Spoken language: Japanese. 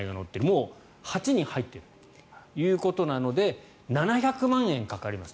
もう８人入っているということなので７００万円かかります。